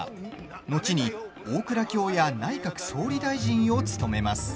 後に、大蔵卿や内閣総理大臣を務めます。